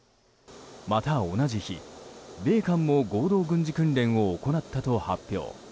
また同じ日、米韓も合同軍事訓練を行ったと発表。